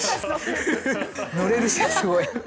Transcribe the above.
「乗れるしすごい」。